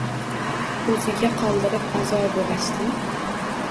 O‘ziga qoldirib azobu gashtin